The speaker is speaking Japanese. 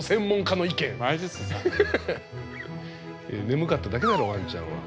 眠かっただけだろワンちゃんは。